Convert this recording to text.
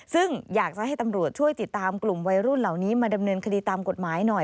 ซึ่งอยากจะให้ตำรวจช่วยติดตามกลุ่มวัยรุ่นเหล่านี้มาดำเนินคดีตามกฎหมายหน่อย